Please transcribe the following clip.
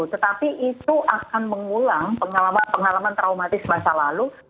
tetapi itu akan mengulang pengalaman pengalaman traumatis masa lalu